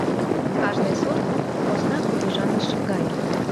Кажне сурт — посна кугыжаныш гае.